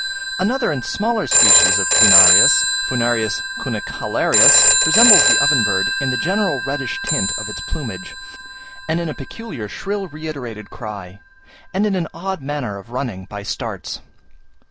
Another and smaller species of Furnarius (F. cunicularius), resembles the oven bird in the general reddish tint of its plumage, in a peculiar shrill reiterated cry, and in an odd manner of running by starts.